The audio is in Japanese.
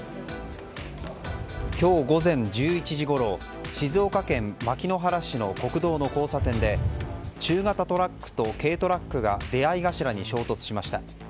今日午前１１時ごろ静岡県牧之原市の国道の交差点で中型トラックと軽トラックが出合い頭に衝突しました。